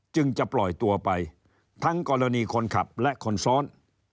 จึงจะปล่อยตัวไปทั้งกรณีคนขับและคนซ้อน